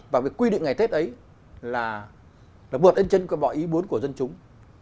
và quy định ngày tết ấy là vượt lên chân bỏ ý muốn của dân chúng